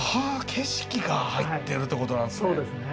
景色が入ってるってことなんですね。